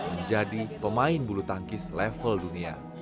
menjadi pemain bulu tangkis level dunia